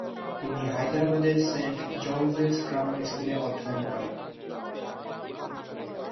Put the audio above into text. তিনি হায়দরাবাদের Saint George's Grammar স্কুলে অধ্যয়ন করেন।